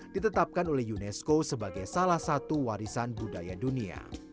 ditetapkan oleh unesco sebagai salah satu warisan budaya dunia